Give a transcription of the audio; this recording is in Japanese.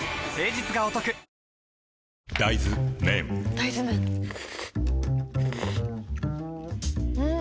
大豆麺ん？